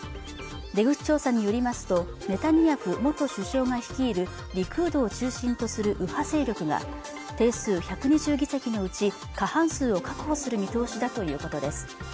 出口調査によりますとネタニヤフ元首相が率いるリクードを中心とする右派勢力が定数１２０議席のうち過半数を確保する見通しだということです